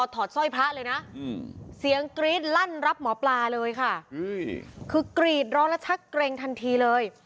คือกรีดร้อนและชักเกรงทันทีเลย